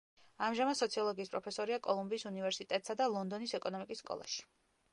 ამჟამად სოციოლოგიის პროფესორია კოლუმბიის უნივერსიტეტსა და ლონდონის ეკონომიკის სკოლაში.